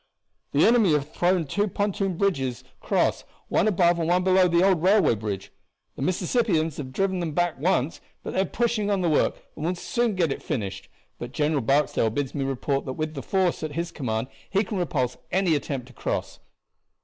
"The enemy have thrown two pontoon bridges across, one above and one below the old railway bridge. The Mississippians have driven them back once, but they are pushing on the work and will soon get it finished; but General Barksdale bids me report that with the force at his command he can repulse any attempt to cross."